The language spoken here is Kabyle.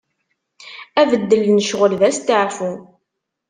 Abeddel n ccɣel d astaɛfu.